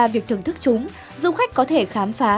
việc thưởng thức chúng du khách có thể khám phá